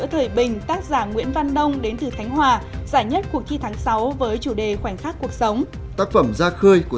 tức là cái cảm xúc của người chủ